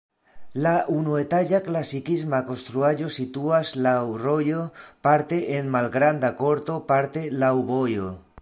La unuetaĝa klasikisma konstruaĵo situas laŭ rojo parte en malgranda korto, parte laŭ vojo.